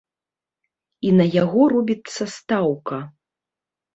І на яго робіцца стаўка.